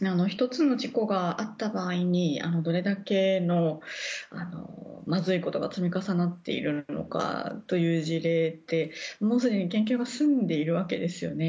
１つの事故があった場合にどれだけのまずいことが積み重なっているのかという事例ってもうすでに研究が済んでいるわけですね。